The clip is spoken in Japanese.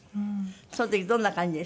その時どんな感じでした？